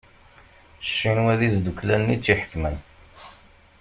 Ccinwa d izduklanen i tt-iḥekmen.